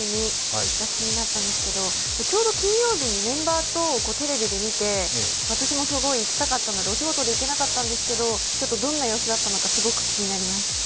２０２２が気になったんですけど、ちょうど金曜日にメンバーとテレビで見て私もすごい行きたかったのですが、お仕事で行けなかったんですけど、どんな様子だったのかすごく気になります。